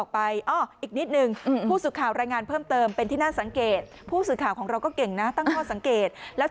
ไปซื้อล็อตเตอรี่นะคะ